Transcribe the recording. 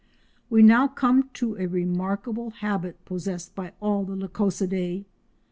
We now come to a remarkable habit possessed by all the Lycosidae.